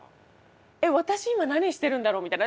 えっ私今何してるんだろうみたいな。